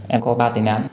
em có ba tiền án